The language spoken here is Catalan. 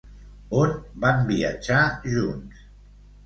On van viatjar junts?